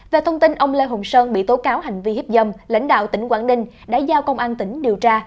về thông tin ông lê hùng sơn bị tố cáo hành vi hiếp dâm lãnh đạo tỉnh quảng ninh đã giao công an tỉnh điều tra